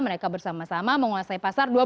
mereka bersama sama menguasai pasar